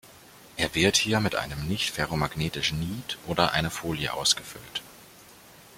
Er wird hier mit einem nicht ferromagnetischen Niet oder einer Folie ausgefüllt.